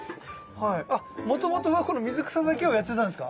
あもともとはこの水草だけをやってたんですか？